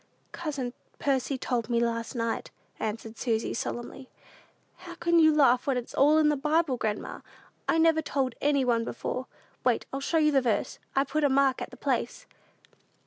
"Cousin Percy told me last night," answered Susy, solemnly. "How can you laugh when it's all in the Bible, grandma? I never told anybody before. Wait; I'll show you the verse. I've put a mark at the place."